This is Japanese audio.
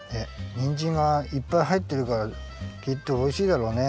にんじんがいっぱいはいってるからきっとおいしいだろうね。